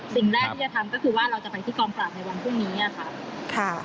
สิ่งแรกที่จะทำก็คือว่าเราจะไปที่กองปราบในวันพรุ่งนี้ค่ะ